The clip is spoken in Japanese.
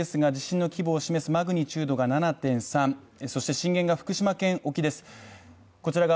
今回の地震ですが地震の規模を示すマグニチュードが７．３、そして震源が福島県沖です。